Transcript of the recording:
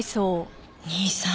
兄さん